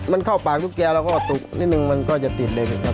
มันเข้าปากตุ๊กแกแล้วก็ตุกนิดนึงมันก็จะติดเลยนะครับ